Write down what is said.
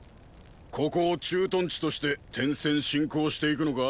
ここを駐屯地として転戦侵攻していくのか？